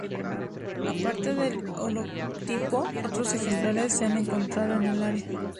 Aparte del holotipo, otros ejemplares se han encontrado en el área.